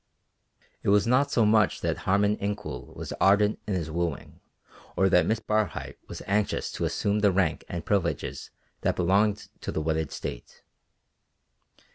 It was not so much that Harmon Incoul was ardent in his wooing or that Miss Barhyte was anxious to assume the rank and privileges that belong to the wedded state.